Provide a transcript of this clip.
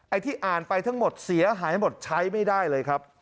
ที่อ่านไปทั้งหมดเสียหายหมดใช้ไม่ได้เลยครับ